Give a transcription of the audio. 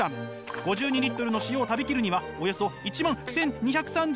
５２の塩を食べきるにはおよそ１万１，２３２日